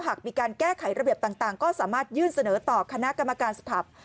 หากมีการแก้ไขระเบียบต่างก็สามารถยื่นเสนอต่อคณะกรรมการสถัพ